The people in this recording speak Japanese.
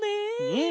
うん！